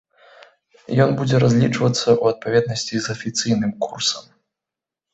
Ён будзе разлічвацца ў адпаведнасці з афіцыйным курсам.